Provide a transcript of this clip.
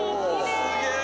すげえ。